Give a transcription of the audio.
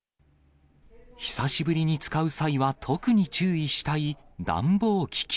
久しぶりに使う際は特に注意したい暖房機器。